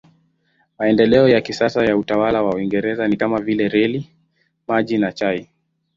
Maendeleo ya kisasa ya utawala wa Uingereza ni kama vile reli, maji na chai.